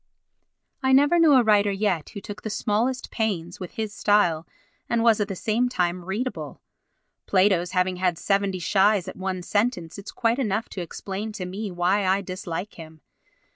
I never knew a writer yet who took the smallest pains with his style and was at the same time readable. Plato's having had seventy shies at one sentence is quite enough to explain to me why I dislike him.